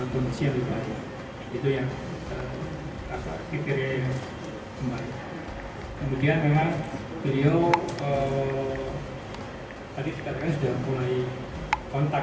kemudian memang video tadi sudah mulai kontak